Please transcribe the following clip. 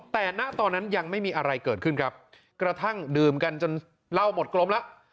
แต่ณตอนนั้นยังไม่มีอะไรเกิดขึ้นครับกระทั่งดื่มกันจนเหล้าหมดกลมแล้ว